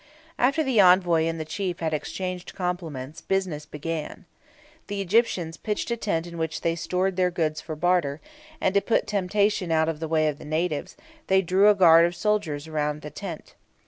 After the envoy and the chief had exchanged compliments, business began. The Egyptians pitched a tent in which they stored their goods for barter, and to put temptation out of the way of the natives, they drew a guard of soldiers round the tent.